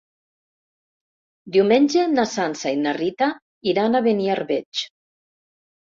Diumenge na Sança i na Rita iran a Beniarbeig.